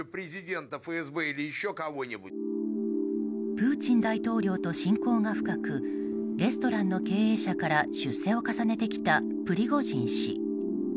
プーチン大統領と親交が深くレストランの経営者から出世を重ねてきたプリゴジン氏。